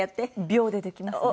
秒でできますね。